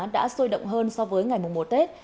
đã sôi động hơn so với ngày mùng một tết